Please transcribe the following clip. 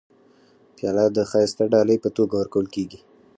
پیاله د ښایسته ډالۍ په توګه ورکول کېږي.